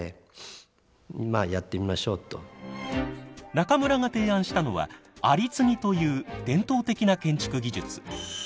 中村が提案したのは蟻継ぎという伝統的な建築技術。